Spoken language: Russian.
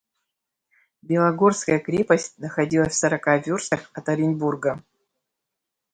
Белогорская крепость находилась в сорока верстах от Оренбурга.